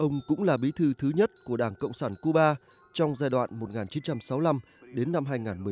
ông cũng là bí thư thứ nhất của đảng cộng sản cuba trong giai đoạn một nghìn chín trăm sáu mươi năm đến năm hai nghìn một mươi năm